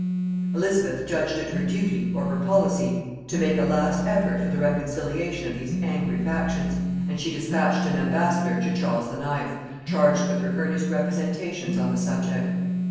Elizabeth judged it her duty, or her policy, to make a last effort for the reconciliation of these angry factions, and she dispatched an ambassador to Charles IX. charged with her earnest representations on the subject.